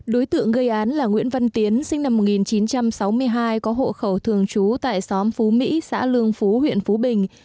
đối tượng gây án là nguyễn văn tiến sinh năm một nghìn chín trăm sáu mươi hai có hộ khẩu thường trú tại xóm phú mỹ xã lương phú huyện phú bình